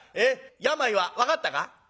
病は分かったか？」。